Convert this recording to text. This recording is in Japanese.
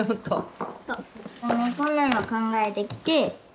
こんなの考えてきて。